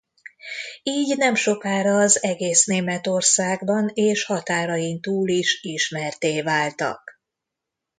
Így nemsokára az egész Németországban és határain túl is ismertté váltak.